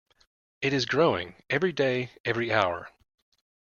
It is growing, every day, every hour.